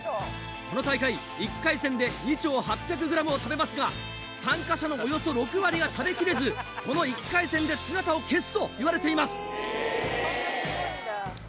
この大会１回戦で２丁８００ｇを食べますが参加者のおよそ６割が食べきれずこの１回戦で姿を消すといわれています。